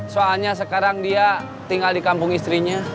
soalnya sekarang dia tinggal di kampung istrinya